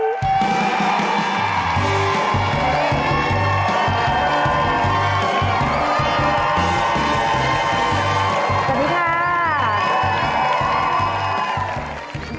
สวัสดีค่ะ